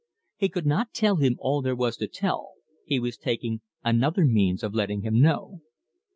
He could not tell him all there was to tell, he was taking another means of letting him know.